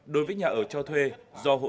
đối với nhà ở cho thuê do hộ